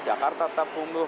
jakarta tetap tumbuh